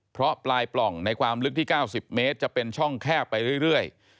เพราะปลายปล่องในความลึกที่๙๐เมตรจะเป็นช่องแคบไปเรื่อย